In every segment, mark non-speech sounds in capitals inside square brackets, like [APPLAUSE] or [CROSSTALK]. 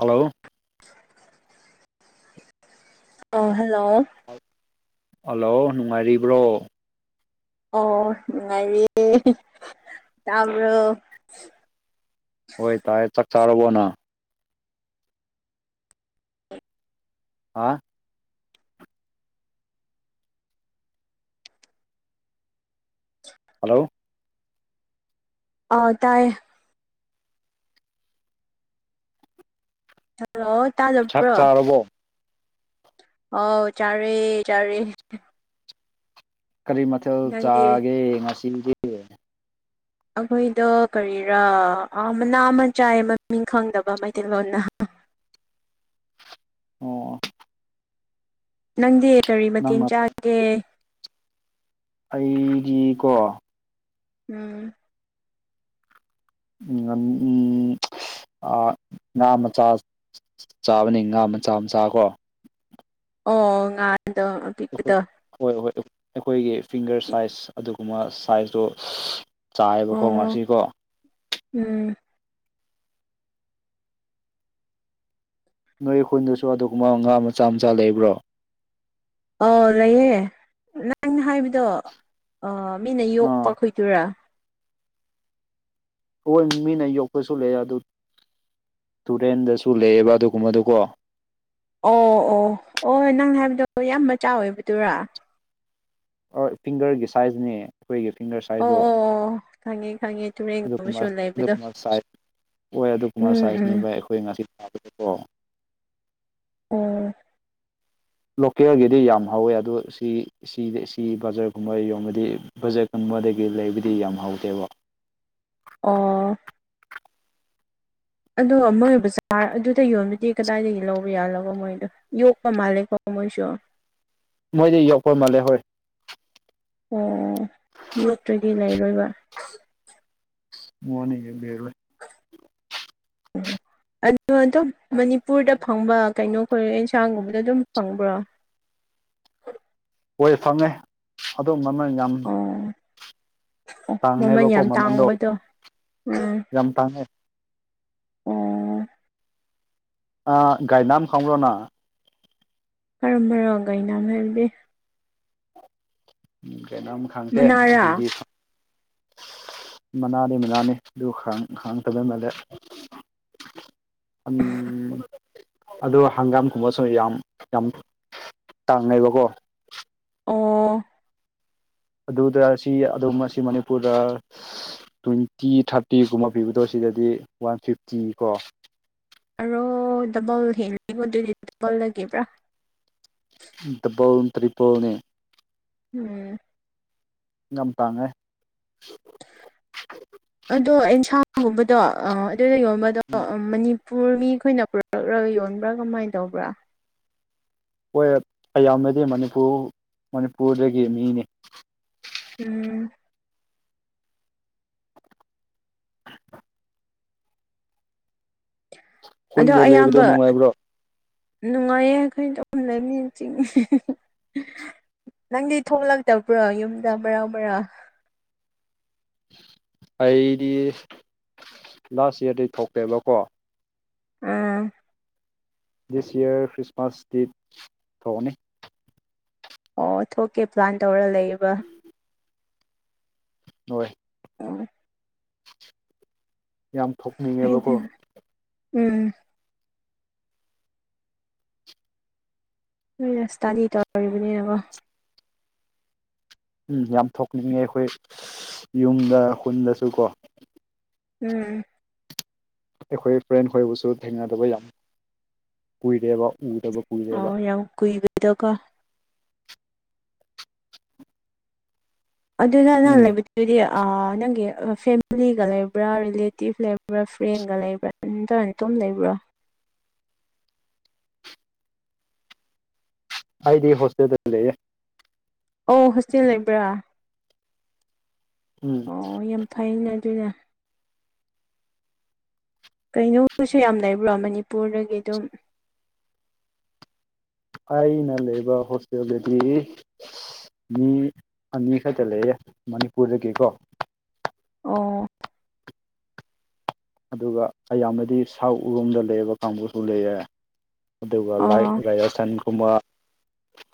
Hello ꯑ hello hello ꯅꯨꯡꯉꯥꯏꯔꯤꯕ꯭ꯔꯣ ꯑꯣ ꯅꯨꯡꯉꯥꯏꯔꯤꯌꯦ ꯇꯥꯕꯔꯣ ꯍꯣꯏ ꯇꯥꯏꯌꯦ ꯆꯥꯛ ꯆꯥꯔꯕꯣ ꯅꯪ ꯍꯥ ꯍꯜꯂꯣ ꯑꯧ ꯇꯥꯏꯌꯦ ꯍꯦꯜꯂꯣ ꯆꯥꯛ ꯆꯥꯔꯕꯣ ꯑꯣꯥꯎ ꯆꯔꯦ ꯆꯥꯔꯦ ꯀꯔꯤ ꯃꯊꯦꯜ ꯅꯪꯗꯤ ꯆꯥꯒꯦ ꯉꯁꯤꯗꯤ ꯑꯩꯈꯣꯏꯗ ꯀꯔꯤꯔꯥ ꯃꯅꯥ ꯑꯃ ꯆꯥꯏ ꯃꯃꯤꯡ ꯈꯪꯗꯕ ꯃꯩꯇꯩꯂꯣꯟꯅ ꯑꯣ ꯅꯪꯗꯤ ꯀꯔꯤ ꯃꯇꯦꯡ ꯅꯪꯅ ꯆꯥꯡꯒꯦ ꯑꯩꯗꯤꯀꯣ ꯎꯝ ꯎꯝ ꯎꯝ ꯉꯥ ꯃꯆꯥ ꯆꯥꯕꯅꯤ ꯉꯥ ꯃꯆꯥ ꯃꯆꯥ ꯀꯣ ꯑꯣ ꯉꯥꯡꯗꯣ꯫ ꯈꯣꯏ ꯍꯣꯏ ꯍꯣꯏ ꯑꯩꯈꯣꯏꯒꯤ ꯐꯤꯡꯒꯔ ꯁꯥꯏꯖ ꯑꯗꯨꯒꯨꯝꯕ ꯁꯥꯏꯖꯇꯣ ꯆꯥꯏꯕꯀꯣ ꯑꯣ ꯉꯁꯤꯀꯣ ꯎꯝ ꯅꯣꯏ ꯑꯩꯈꯣꯏꯗꯁꯨ ꯑꯗꯨꯒꯨꯝꯕ ꯉꯥ ꯃꯆꯥ ꯃꯆꯥ ꯂꯩꯕ꯭ꯔꯣ ꯑꯥꯎ ꯂꯩꯌꯦꯦ ꯅꯪꯅ ꯍꯥꯏꯕꯗꯣ ꯃꯤꯅ ꯌꯣꯛꯄ ꯑꯥ ꯈꯠꯇꯣꯏꯔꯥ ꯍꯣꯏ ꯃꯤꯅ ꯌꯣꯛꯄꯁꯨ ꯂꯩꯦ ꯑꯗꯨ ꯇꯨꯔꯦꯟꯗꯁꯨ ꯂꯩꯑꯦꯕ ꯑꯗꯨꯒꯨꯝꯕꯗꯨ ꯀꯣ ꯑꯣ ꯑꯣ ꯑꯣ ꯅꯪ ꯍꯥꯏꯕꯗꯣ ꯌꯥꯝ ꯃ ꯆꯥꯎꯋꯕꯗꯨꯔꯥ ꯍ ꯐꯤꯡꯒꯔꯒꯤ ꯁꯥꯏꯖꯅꯦ꯫ ꯑꯩꯈꯣꯏꯒꯤ ꯐꯤꯡꯒꯔ ꯑꯣ ꯁꯥꯏꯖꯇꯣ ꯑꯣ ꯑꯣ ꯈꯪꯉꯦ ꯈꯪꯉꯦ ꯑꯗꯨꯒꯕ ꯇꯨꯔꯦꯟꯒꯨꯝꯕꯁꯨ ꯂꯩꯕꯗꯣ ꯑꯗꯨꯒꯕ ꯁꯥꯏ ꯍꯣꯏ ꯑꯗꯨꯒꯨꯝꯕ ꯎꯝ ꯁꯥꯏꯖꯅꯦ ꯎꯝ ꯚꯥꯏ ꯑꯩꯈꯣꯏ ꯉꯁꯤꯀꯣ ꯎꯝ ꯂꯣꯀꯦꯜꯒꯤꯗꯤ ꯌꯥꯝ ꯍꯧꯋꯦ ꯑꯗꯣ ꯁꯤ ꯏꯗ ꯏꯆ ꯕꯖꯥꯔꯒꯨꯝꯕ ꯌꯣꯟꯕꯗꯤ ꯕꯖꯔꯀꯨꯝꯕꯗꯒꯤ ꯂꯩꯕꯗꯤ ꯌꯥꯝ ꯍꯧꯥꯎꯗꯦꯕ ꯑꯣ ꯑꯗꯣ ꯃꯣꯏꯕꯨ ꯆꯥꯔ ꯑꯗꯨꯗ ꯌꯣꯟꯕꯗꯤ ꯀꯗꯥꯏꯗꯒꯤ ꯂꯧꯕ ꯌꯥꯜꯂꯕꯣ ꯃꯣꯏꯗꯣ ꯌꯣꯒ ꯀ ꯃꯥꯂꯦ ꯀꯣ ꯃꯣꯏꯁꯨ ꯃꯣꯏꯗꯤ ꯌꯎꯈ ꯃꯥꯜꯂꯦ ꯍꯣꯏ꯫ ꯑꯣ ꯃꯠꯇꯒꯤ ꯂꯩꯔꯣꯏꯕ ꯍꯅꯤ ꯦꯔ ꯎꯝ ꯑꯗꯨ ꯑꯗꯨꯝ ꯃꯅꯤꯄꯨꯔꯗ ꯐꯪꯕ ꯀꯩꯅꯣ ꯈ ꯌꯦꯟꯁꯥꯡꯒꯨꯝꯕꯗ ꯑꯗꯨꯝ ꯐꯪꯕ꯭ꯔꯣ꯫ ꯑꯣꯏ ꯐꯪꯉꯦ ꯑꯗꯨꯝꯕꯅ ꯌꯥꯝ ꯑꯣ ꯃꯃꯜ ꯇꯥꯡꯉꯦꯕꯀꯣ ꯌꯥꯝ ꯃꯃꯜꯗꯣ ꯇꯥꯡꯕꯗꯣ ꯎꯝ ꯌꯥꯝ ꯇꯥꯡꯉꯦ ꯑꯣ ꯒꯥꯏꯅꯥ ꯈꯪꯕ꯭ꯔꯣꯅ ꯀꯔꯝꯕꯔꯣꯒꯩꯅꯝ ꯍꯥꯏꯗꯤ ꯎꯝ ꯀꯩꯅꯣꯝ ꯈꯪꯗꯦ ꯃꯅꯥꯔꯥ ꯑꯗꯨꯗꯤ ꯃꯅꯥꯅꯤ ꯃꯅꯥꯅꯤ ꯑꯗꯨ ꯍꯥꯡꯇꯕꯩ ꯃꯥꯜꯂꯦ [UNINTELLIGIBLE] ꯎꯝ ꯑꯗꯣ ꯍꯪꯒꯥꯝꯒꯨꯝꯕꯁꯨ ꯌꯥꯝ ꯌꯥꯝ ꯇꯥꯡꯉꯦꯕꯀꯣ꯫ ꯑꯣ ꯑꯗꯨꯗ ꯁꯤ ꯑꯗꯨꯝ ꯑꯁꯤ ꯃꯅꯤꯄꯨꯔꯗ ꯇ꯭ꯋꯦꯟꯇꯤ ꯊꯥꯔꯇꯤꯒꯨꯝꯕ ꯄꯤꯕꯗꯣ ꯁꯤꯗꯗꯤ ꯋꯥꯟ ꯐꯤꯐꯇꯤ ꯀꯣ ꯑꯔꯣ ꯗꯕꯜ ꯍꯦꯉꯉꯣ ꯑꯗꯨꯗꯤ ꯗꯕꯜ ꯂꯩꯒꯕ꯭ꯔꯥ ꯗꯕꯜ ꯇ꯭ꯔꯤꯄꯅꯦ ꯎꯝ ꯌꯥꯝ ꯇꯥꯡꯉꯦ ꯑꯗꯣ ꯑꯦꯟꯁꯥꯡꯒꯨꯝꯕꯗꯣ ꯑꯗꯨꯗ ꯌꯣꯟꯕꯗꯣ ꯃꯅꯤ ꯄꯨ ꯃꯤ ꯑꯩꯈꯣꯏꯅ ꯄꯨꯔꯛꯂꯒ ꯌꯣꯟꯕ꯭ꯔꯥ ꯀꯃꯥꯏꯅ ꯇꯧꯕ꯭ꯔꯥ ꯍꯣꯏ ꯑꯌꯥꯝꯕꯗꯤ ꯃꯅꯤꯄꯨꯔ ꯃꯅꯤꯄꯨꯔꯗꯒꯤ ꯃꯤꯅꯤ ꯎꯝ꯫ ꯑꯗꯣ ꯈꯨꯟꯗ ꯂꯩꯕꯗꯣ ꯑꯌꯥꯝꯕ ꯅꯨꯡꯉꯥꯏꯕ꯭ꯔꯣ ꯅꯨꯡꯉꯥꯏꯌꯦ ꯑꯩꯈꯣꯏ ꯇꯧ ꯂꯩ ꯃꯤꯅ ꯆꯤꯡꯉ ꯅꯪꯗꯤ ꯊꯣꯛꯣꯂꯛꯇꯕ꯭ꯔꯣ ꯌꯨꯝꯗ ꯃꯔꯥ ꯃꯔꯥꯡ ꯑꯩꯗꯤ ꯂꯥꯁ ꯏꯌꯥꯔꯗꯩ ꯊꯣꯛꯇꯦꯕꯀꯣ ꯎꯝ ꯗꯤꯁ ꯏꯌꯥꯔ ꯈ꯭ꯔꯤꯁꯃꯥꯁ ꯗꯤꯠ ꯊꯑꯅꯤ ꯑꯣ ꯊꯣꯛꯀꯦ ꯄ꯭ꯂꯥꯟ ꯇꯧꯔ ꯂꯩꯕ ꯍꯅꯨꯡꯣꯏ ꯎ ꯌꯥꯝ ꯊꯣꯛꯄ ꯍꯗꯅ ꯎꯝ ꯅ ꯔꯁꯇꯥꯅꯤ ꯇꯧꯔꯤꯕꯅꯤ ꯑꯕꯣ ꯎꯝ ꯌꯥꯝ ꯊꯣꯛꯅꯤꯡꯉꯦ ꯑꯩꯈꯣꯏ ꯌꯨꯝꯗ ꯈꯨꯟꯗꯁꯨ ꯀꯣ ꯎꯝ ꯑꯩꯈꯣꯏ ꯐ꯭ꯔꯦꯟ ꯈꯣꯏꯕꯨꯁꯨ ꯊꯦꯡꯅꯗꯕ ꯌꯥꯝ ꯀꯨꯏꯔꯦꯕ ꯎꯗꯕ ꯀꯨꯏꯔꯦꯕ ꯑꯣ ꯌꯥ ꯀꯏꯒꯗ ꯀ ꯑꯗꯨ ꯌꯥꯅ ꯎꯝ ꯂꯩꯦ ꯑꯗꯨꯗꯤ ꯅꯪꯒꯤ ꯐꯦꯃꯤꯂꯤꯒ ꯂꯩꯕ꯭ꯔꯥ ꯔꯤꯂꯦꯇꯤꯞ ꯂꯩꯕ꯭ꯔꯥ ꯐ꯭ꯔꯦꯟꯒ ꯂꯩꯕ꯭ꯔꯥ ꯑꯗꯨ ꯇꯔꯅꯤꯇꯣꯝ ꯂꯩꯕ꯭ꯔꯣ ꯍꯥꯏꯗꯤ ꯍꯁꯦꯗ ꯂꯩꯦ ꯑꯣꯧ ꯍꯣꯁꯇꯦꯜ ꯂꯩꯕ꯭ꯔꯥ ꯎꯝ ꯑꯣ ꯌꯥꯝ ꯐꯩꯅꯦ ꯑꯗꯨꯏꯅꯦ ꯀꯩꯅꯣꯁꯨ ꯌꯥꯝ ꯂꯩꯕ꯭ꯔꯣ ꯃꯅꯤꯄꯨꯔꯗꯒꯤ ꯑꯗꯨꯝ ꯑꯩꯅ ꯂꯩꯕ ꯍꯣꯁꯇꯦꯜꯗꯗꯤ ꯃꯤ ꯑꯅꯤ ꯈꯛꯇ ꯂꯩꯌꯦꯦ ꯃꯅꯤꯄꯨꯔꯗꯒꯤꯀꯣ ꯑꯣ ꯑꯗꯨꯒ ꯑꯌꯥꯝꯕꯗꯤ ꯁꯥꯎꯠ ꯎꯔꯣꯝꯗ ꯂꯩꯌꯦꯕ ꯀꯥꯡꯕꯨꯁꯨ ꯂꯩꯔꯦ ꯑꯗꯨꯒꯥꯏ ꯑꯣ ꯔꯥꯖꯁꯊꯥꯟꯒꯨꯝꯕ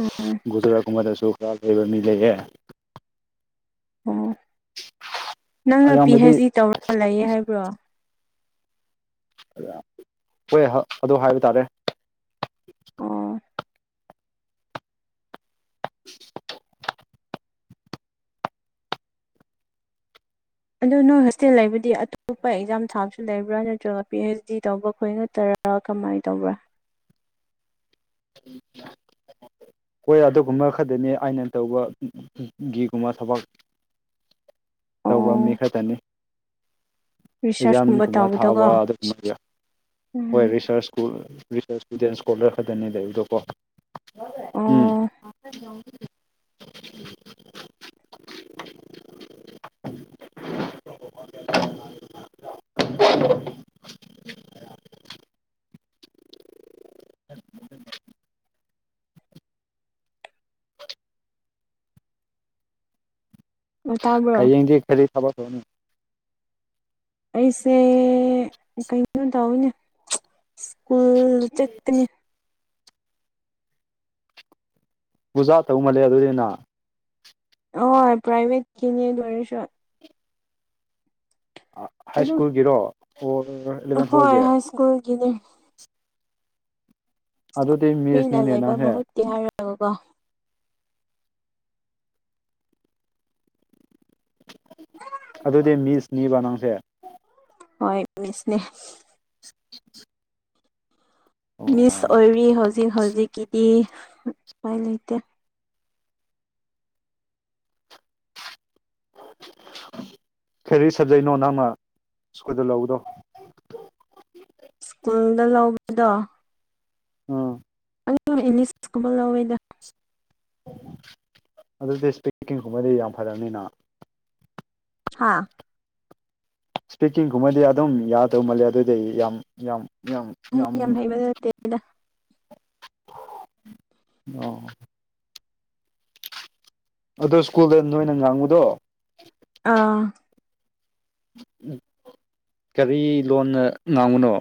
ꯎꯝ ꯒꯨꯖꯔꯥꯠꯀꯨꯝꯕꯗꯁꯨ ꯐꯕ ꯃꯤꯂꯦꯌꯦ ꯑꯣ ꯅꯪꯅ ꯄꯤ ꯑꯌꯥꯝꯕꯗꯤ ꯍꯩꯆ ꯇꯧꯔꯒ ꯂꯩ ꯍꯥꯏꯕ꯭ꯔꯣ ꯍꯣꯏ ꯑꯗꯨ ꯍꯥꯏꯕ ꯇꯥꯔꯦ ꯑꯣ [UNINTELLIGIBLE] ꯑꯗꯨꯣ ꯅꯣꯏ ꯍꯣꯁꯇꯦꯜ ꯂꯩꯕꯗꯤ ꯑꯇꯣꯞꯄ ꯑꯦꯛꯖꯥꯝ ꯊꯥꯕꯁꯨ ꯂꯩꯕ꯭ꯔꯥ ꯅꯠꯇ꯭ꯔꯒ ꯄꯤ ꯑꯩꯩꯆ ꯗꯤ ꯇꯧꯕ ꯈꯣꯏ ꯅꯠꯇꯔ ꯀꯃꯥꯏꯅ ꯇꯧꯕ꯭ꯔꯥ ꯍꯣꯏ ꯑꯗꯨꯒꯨꯝꯕ ꯈꯔꯛꯇꯅꯤ ꯑꯩꯅ ꯇꯧꯕ ꯒꯤꯒꯨꯝꯕ ꯊꯕꯛ ꯇꯧꯕ ꯃꯤ ꯑꯣ ꯈꯛꯇꯅꯤ ꯔꯤꯁꯔꯁꯀꯨꯝꯕ ꯑꯦꯛꯖꯥꯝꯒꯨꯝꯕ ꯊꯥꯕ ꯇꯧꯕꯗꯣꯀꯣ ꯑꯗꯨ ꯑꯣꯏ ꯎꯝ ꯔꯤꯁꯔꯁꯀꯨꯜ ꯔꯤꯁꯔꯁ ꯏꯁꯇꯨꯗꯦꯟ ꯁ꯭ꯀꯣꯂꯔ ꯈꯛꯇꯅꯦ ꯂꯩꯕꯗꯣꯀꯣ ꯑꯣ ꯎꯝ [UNINTELLIGIBLE] [UNINTELLIGIBLE] ꯎꯝ ꯑꯣ ꯇꯥꯕ꯭ꯔꯣ ꯍꯌꯦꯡꯗꯤ ꯈꯗꯤ ꯊꯕꯛ ꯇꯧꯅꯤ ꯑꯩꯁꯦ ꯀꯩꯅꯣ ꯇꯧꯋꯅꯦ ꯁ꯭ꯀꯨꯜ ꯆꯠꯀꯅꯤ ꯄꯨꯕꯨꯖꯥ ꯇꯧꯃꯜꯂꯦ ꯑꯗꯨꯔꯅ ꯍ ꯄ꯭ꯔꯥꯏꯚꯦꯠꯀꯤꯅꯦ ꯂꯣꯏꯔꯁꯨ ꯍꯥꯏ ꯑꯗꯨꯝ ꯁ꯭ꯀꯨꯜꯒꯤꯔꯣ ꯑꯣ ꯍꯣꯏ ꯍꯥꯏ ꯁ꯭ꯀꯨꯜꯒꯤꯗꯤ ꯑꯗꯨꯗꯤ ꯀꯔꯤꯅ ꯃꯤꯁꯅꯤꯅꯦ ꯂꯩꯕ ꯅꯪꯁꯦ ꯃꯍꯨꯠꯇꯤ ꯍꯥꯏꯔꯒꯀꯣ ꯑꯗꯨꯗꯤ ꯃꯤꯁ ꯅꯤꯕ ꯅꯪꯁꯦ ꯍꯣꯏ ꯃꯤꯁꯅꯦ [UNINTELLIGIBLE] ꯃꯤꯁ ꯑꯣ ꯑꯣꯏꯔꯤ ꯍꯧꯖꯤꯛ ꯍꯧꯖꯤꯛꯀꯤꯗꯤ ꯀꯃꯥꯏ ꯂꯩꯇꯦ ꯀꯔꯤꯔꯤ ꯁꯕꯖꯦꯛꯅꯣ ꯅꯪꯅ ꯁ꯭ꯀꯨꯜꯗ ꯂꯧꯕꯗꯣ ꯁ꯭ꯀꯨꯜꯗ ꯂꯧꯕꯗꯣ ꯎꯝ ꯑ ꯏꯅꯤꯁꯀꯨꯝꯕ ꯂꯧꯋꯦꯗ ꯑꯗꯨꯗꯤ ꯏꯁꯄꯦꯛꯀꯤꯡꯒꯨꯝꯕꯗꯤ ꯌꯥꯝ ꯐꯅꯤꯅ ꯍꯥꯥ ꯏꯁꯄꯤꯀꯤꯡꯒꯨꯝꯕꯗꯤ ꯑꯗꯨꯝ ꯌꯥꯗꯧ ꯃꯥꯜꯂꯦ ꯑꯗꯨꯗꯤ ꯌꯥꯝ ꯌꯥꯝ ꯌꯥꯝ ꯑꯩ ꯌꯥꯝ ꯍꯩꯕ ꯅꯠꯇꯦꯗ ꯑ ꯑꯗꯣ ꯁ꯭ꯀꯨꯜꯗ ꯅꯣꯏꯅ ꯉꯥꯡꯉꯨꯗꯣ ꯑꯥ ꯀꯔꯤ ꯂꯣꯟꯅ ꯉꯥꯡꯕꯨꯅꯣ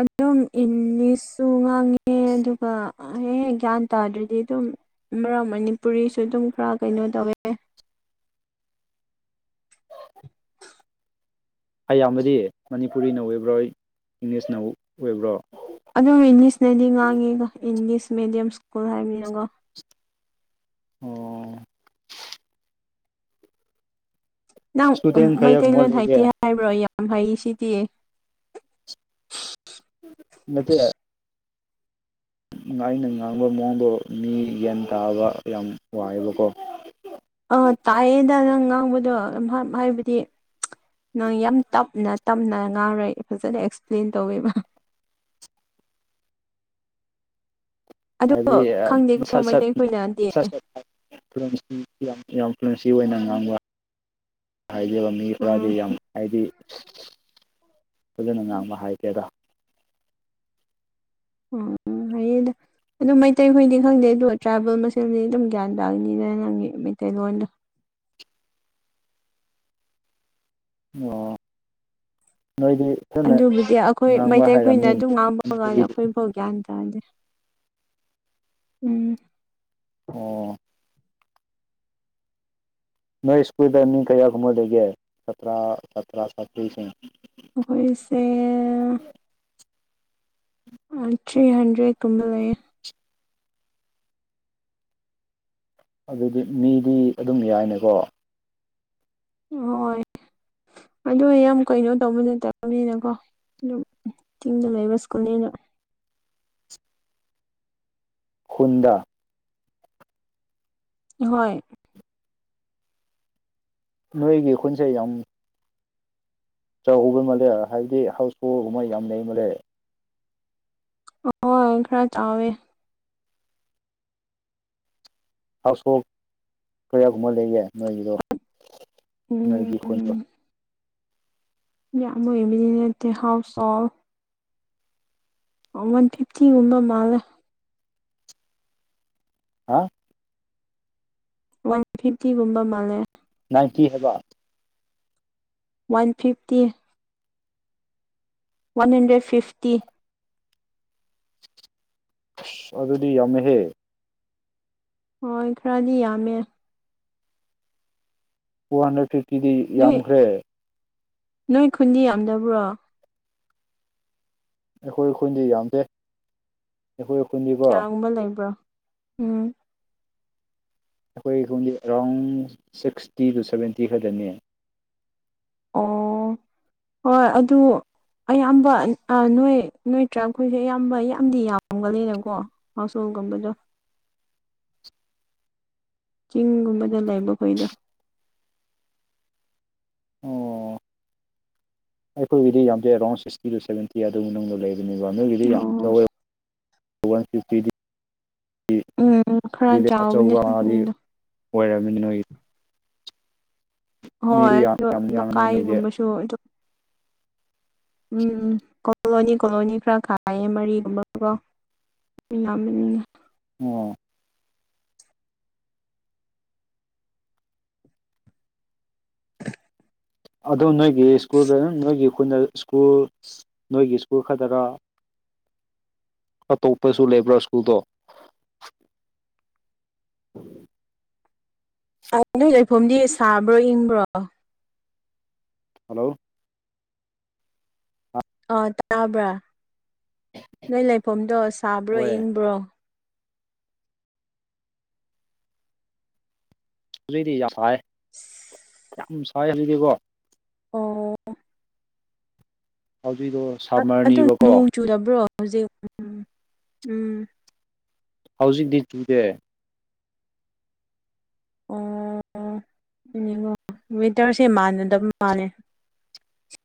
ꯑꯗꯨꯝ ꯏꯪꯂꯤꯁꯁꯨ ꯉꯥꯡꯉꯦ ꯑꯗꯨꯒ ꯍꯦꯛꯦꯛ ꯒ꯭ꯌꯥꯟ ꯇꯥꯗ꯭ꯔꯗꯤ ꯑꯗꯨꯝ ꯃꯔꯛ ꯃꯅꯤꯄꯨꯔꯤꯁꯨ ꯑꯗꯨꯝ ꯈꯔ ꯀꯩꯅꯣ ꯇꯧꯋꯦ ꯑꯌꯥꯝꯕꯗꯤ ꯃꯅꯤꯄꯨꯔꯤꯅ ꯑꯣꯏꯕ꯭ꯔꯣꯏ ꯏꯪꯂꯤꯁꯅ ꯑꯣꯏꯕ꯭ꯔꯣ ꯑꯗꯨꯝ ꯏꯪꯂꯤꯁꯅꯗꯤ ꯉꯥꯡꯉꯤꯀꯣ ꯏꯪꯂꯤꯁ ꯃꯦꯗꯤꯌꯝ ꯁ꯭ꯀꯨꯜ ꯍꯥꯏꯕꯅꯤꯅꯀꯣ ꯑꯣ ꯅꯪ ꯏꯁꯇꯨꯗꯦꯟ ꯀꯌꯥꯒꯨꯝꯕ ꯃꯩꯇꯩꯂꯣꯟ ꯂꯩꯒꯦ ꯍꯥꯏꯇꯦ ꯍꯥꯏꯕ꯭ꯔꯣ ꯌꯥꯝ ꯍꯩ ꯁꯤꯗꯤ ꯅꯠꯇ ꯌꯥ ꯑꯩꯅ ꯉꯥꯡꯕ ꯃꯑꯣꯡꯗꯣ ꯃꯤ ꯌꯦꯟ ꯇꯥꯕ ꯌꯥꯝ ꯋꯥꯏꯑꯕꯀꯣ ꯑꯥ ꯇꯥꯛꯑꯦꯗ ꯅꯪ ꯉꯥꯡꯕꯗꯣ ꯑꯗꯨꯝ ꯍꯥꯏꯕꯗꯤ ꯅꯪ ꯌꯥꯝ ꯇꯞꯅ ꯇꯞꯅ ꯉꯥꯔꯣꯏ ꯐꯖꯅ ꯑꯦꯛꯁꯄ꯭ꯂꯦꯟ ꯇꯧꯋꯦꯕ ꯑꯗꯣ ꯍꯥꯏꯕꯗꯤ ꯈꯪꯗꯦꯀꯣ ꯁꯠ ꯁꯠꯠ ꯃꯩꯇꯩꯈꯣꯏꯅꯗꯤ ꯁꯠ ꯐ꯭ꯂꯨꯟꯁꯤ ꯌꯥꯝ ꯌꯥꯝ ꯐ꯭ꯂꯨꯟꯁꯤ ꯑꯣꯏꯅ ꯉꯥꯡꯕ ꯍꯥꯏꯔꯤꯕ ꯃꯤ ꯈꯔꯗꯤ ꯎꯝ ꯌꯥꯝ ꯍꯥꯏꯗꯤ ꯐꯖꯅ ꯉꯥꯡꯕ ꯍꯥꯏꯒꯦꯔꯥ ꯎ ꯍꯗ ꯑꯗꯨ ꯃꯩꯇꯩꯈꯣꯏꯗꯤ ꯈꯪꯗꯦ ꯑꯗ ꯇ꯭ꯔꯥꯏꯕꯦꯜ ꯃꯁꯦꯜꯗꯤ ꯑꯗꯨꯝ ꯒ꯭ꯌꯥꯟ ꯇꯥꯅꯤꯗ ꯅꯪꯒꯤ ꯃꯩꯇꯩꯂꯣꯟꯗꯣ ꯑꯣ ꯅꯣꯏꯗꯤ ꯐꯖꯅ ꯑꯗꯨꯕꯨꯗꯤ ꯑꯩꯈꯣꯏ ꯉꯥꯡꯕ ꯃꯩꯇꯩꯈꯣꯏꯅ ꯍꯥꯏꯔꯝꯅꯤ ꯑꯗꯨꯝ ꯉꯥꯡꯕ ꯀꯥꯟꯗ ꯃꯅꯤꯄꯨꯔꯤꯗꯤ ꯑꯩꯈꯣꯏ ꯍꯒꯦꯇꯗꯦ ꯎꯝ ꯑꯣ ꯅ ꯏꯁꯀꯨꯜ ꯀ ꯁ ꯁ ꯁꯇ ꯑꯩꯈꯣꯏꯁꯦ ꯊ꯭ꯔꯤ ꯍꯟꯗ꯭ꯔꯦꯠ ꯀꯨꯝꯕ ꯂꯩꯌꯦ ꯑꯗꯨꯗꯤ ꯃꯤꯗꯤ ꯑꯗꯨꯝ ꯌꯥꯏꯅꯦꯀꯣ ꯍꯣꯏ ꯑꯗꯨ ꯌꯥꯝ ꯀꯩꯅꯣ ꯇꯧꯕ ꯅꯠꯇꯕꯅꯤꯅꯀꯣ ꯑꯗꯨꯝ ꯇꯤꯡꯗ ꯂꯩꯕꯁꯀꯨꯅꯦꯅ ꯍꯣꯟꯗ ꯍꯣꯏ ꯅꯣꯏꯒꯤ ꯈꯨꯟꯁ ꯌꯥꯝ ꯆꯥꯎꯧꯕ ꯃꯥꯜꯂꯦ ꯍꯥꯏꯕꯗꯤ ꯍꯥꯎꯁꯕꯣꯜꯒꯨꯝꯕ ꯌꯥꯝ ꯂꯩ ꯃꯥꯜꯂꯦ ꯑꯣ ꯈꯔ ꯆꯥꯎꯋꯦ ꯍꯥꯎꯁ ꯍꯣꯜꯕ ꯀꯌꯥꯒꯨꯝꯕ ꯂꯩꯒꯦ ꯅꯣꯏꯒꯤꯗꯣ ꯅꯣꯏꯒꯤ ꯈꯣꯟꯗꯣ ꯎꯝ ꯌꯥꯝ ꯑꯣꯏꯕꯅꯤꯅꯠꯇꯦ ꯍꯥꯎꯁ ꯑꯣꯥꯎꯐ ꯋꯥꯟ ꯐꯤꯐꯇꯤ ꯎꯨꯝ ꯃꯥꯂ ꯍꯥ ꯋꯥꯟ ꯐꯤꯐꯇꯤꯒꯨꯝꯕ ꯃꯥꯜꯂꯦ ꯅꯥꯏꯟꯇꯤ ꯍꯥꯏꯕ one fifty one hundred fifty ꯑꯁ ꯑꯗꯨꯗꯤ ꯌꯥꯝꯃꯦꯍꯦ ꯍꯣꯏ ꯈꯔꯗꯤ ꯌꯥꯝꯃꯦ ꯇꯨ ꯍꯟꯗ꯭ꯔꯦꯠ ꯐꯤꯐꯇꯤꯗꯤ ꯅꯣꯏ ꯌꯥꯝꯈ꯭ꯔꯦ ꯅꯣꯏ ꯈꯨꯟꯗꯤ ꯌꯥꯝꯗꯕ꯭ꯔꯣ ꯑꯩꯈꯣꯏ ꯈꯨꯟꯗꯤ ꯌꯥꯝꯗꯦ ꯑꯩꯈꯣꯏ ꯈꯨꯟꯗꯤ ꯀꯌꯥꯒꯨꯝꯕ ꯂꯩꯕ꯭ꯔꯣ ꯎꯝ ꯑꯩꯈꯣꯏꯈꯨꯝꯗꯤ ꯑꯦꯔꯥꯎꯟ ꯁꯤꯛꯁꯇꯤ ꯇꯨ ꯁꯚꯦꯟꯇꯤ ꯈꯠꯇꯅꯦ ꯑꯣ ꯍꯣꯏ ꯑꯗꯨ ꯑꯌꯥꯝꯕ ꯑ ꯅꯣꯏ ꯅꯣꯏ ꯇꯔꯥꯞꯈꯣꯏꯁꯦ ꯑꯌꯥꯝꯕ ꯌꯥꯝꯗꯤ ꯌꯥꯝꯒꯜꯂꯤꯅꯀꯣ ꯍꯥꯎꯁꯣꯜꯒꯨꯝꯕꯗꯣ ꯆꯤꯡꯒꯨꯝꯕꯗ ꯂꯩꯕ ꯀꯣꯏꯗꯣ ꯑꯣ ꯑꯩꯈꯣꯏꯒꯤꯗꯤ ꯌꯥꯝꯇꯦ ꯑꯦꯔꯥꯎꯟ ꯁꯤꯛꯁꯇꯤ ꯇꯨ ꯁꯦꯚꯦꯟꯇꯤ ꯑꯗꯨ ꯃꯅꯨꯡꯗ ꯂꯩꯕꯅꯦꯕ ꯅꯣꯏꯒꯤꯗꯤ ꯌꯥꯝ ꯑꯣ ꯇꯧꯋꯦ ꯋꯥꯟ ꯐꯤꯐꯇꯤꯗꯤ ꯎꯝ ꯈꯔ [UNINTELLIGIBLE] ꯆꯥꯎꯕꯅꯦ ꯑꯆꯧꯕ ꯑꯃꯗꯤ ꯎꯗꯣ ꯑꯣꯏꯔꯝꯃꯤ ꯅꯣꯏꯒꯤ ꯃꯤꯁꯨ ꯍꯣꯏ ꯌꯥꯝ ꯑꯗꯨ ꯌꯥꯝ ꯌꯥꯝꯃꯅꯤ ꯅꯣꯏꯗꯤ ꯂꯀꯥꯏꯒꯨꯝꯕꯁꯨ ꯑꯗꯨ ꯎꯝ ꯀꯣꯂꯣꯅꯤ ꯀꯣꯂꯣꯅꯤ ꯈꯔ ꯈꯥꯏꯌꯦ ꯃꯔꯤꯒꯨꯝꯕꯀꯣ ꯃꯤꯌꯥꯝꯕꯅꯤꯅ ꯑꯣ ꯑꯗꯨ ꯅꯣꯏꯒꯤ ꯁ꯭ꯀꯨꯜ ꯒ ꯑꯗꯨꯝ ꯅꯣꯏꯒꯤ ꯈꯨꯟꯅ ꯁ꯭ꯀꯨꯜ ꯅꯣꯏꯒꯤ ꯁ꯭ꯀꯨꯜ ꯈꯗꯔ ꯑꯇꯣꯞꯄꯁꯨ ꯂꯩꯕ꯭ꯔꯥ ꯁ꯭ꯀꯨꯜꯗꯣ ꯑ ꯅꯣꯏ ꯂꯩꯐꯝꯗꯤ ꯁꯥꯕ꯭ꯔꯣ ꯏꯪꯕ꯭ꯔꯣ ꯍꯜꯂꯣ ꯑꯥ ꯇꯥꯕ꯭ꯔꯥ ꯅꯣꯏ ꯂꯩꯐꯝꯗꯣ ꯁꯥꯕ꯭ꯔꯣ ꯍꯣꯏ ꯏꯪꯕ꯭ꯔꯣ ꯍꯧꯖꯤꯛꯗꯤ ꯌꯥꯝ ꯁꯥꯏ ꯌꯥꯝ ꯁꯥꯏ ꯍꯧꯖꯤꯗꯤꯀꯣ ꯑꯣ ꯍꯧꯖꯤꯔꯣ ꯑꯗꯣ ꯅꯣꯡ ꯆꯨꯗꯕ꯭ꯔꯣ ꯍꯧꯖꯤꯛ ꯎꯝ ꯎꯝ ꯍꯧꯖꯤꯛꯇꯤ ꯇꯨꯗꯦ ꯑꯣ ꯅꯤꯉꯣ ꯋꯦꯗꯔꯁꯦ ꯃꯥꯟꯅꯗꯕ ꯃꯥꯜꯂꯦ